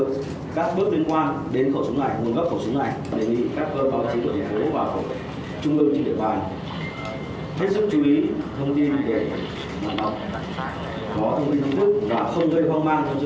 thu giữ tại hiện trường một khẩu súng ak và chín viên đàn